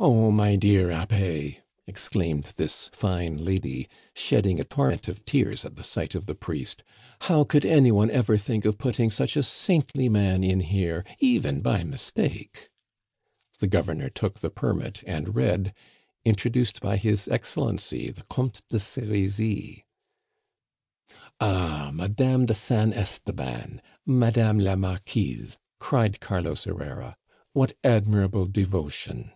"Oh, my dear Abbe!" exclaimed this fine lady, shedding a torrent of tears at the sight of the priest, "how could any one ever think of putting such a saintly man in here, even by mistake?" The Governor took the permit and read, "Introduced by His Excellency the Comte de Serizy." "Ah! Madame de San Esteban, Madame la Marquise," cried Carlos Herrera, "what admirable devotion!"